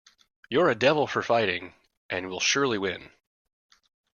You're a devil for fighting, and will surely win.